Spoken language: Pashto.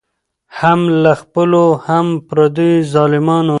هم له خپلو هم پردیو ظالمانو